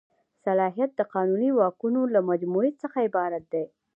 صلاحیت د قانوني واکونو له مجموعې څخه عبارت دی.